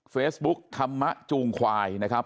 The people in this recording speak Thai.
เฟซบุ๊คธรรมะจูงควายนะครับ